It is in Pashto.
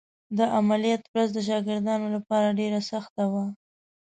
د عملیات ورځ د شاګردانو لپاره ډېره سخته وه.